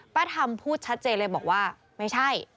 ป้าทำพูดชัดเจนเลยบอกว่าไม่ใช่